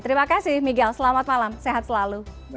terima kasih miguel selamat malam sehat selalu